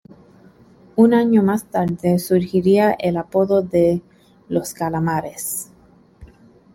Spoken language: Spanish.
Un año más tarde surgiría el apodo de "Los Calamares".